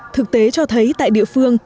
thực tế cho thấy tại địa phương